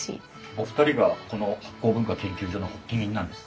お二人がこの醗酵文化研究所の発起人なんです。